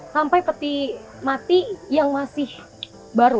sampai peti mati yang masih baru